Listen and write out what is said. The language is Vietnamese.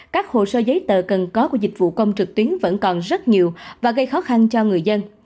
các hồ sơ giấy tờ cần có của dịch vụ công trực tuyến vẫn còn rất nhiều và gây khó khăn cho người dân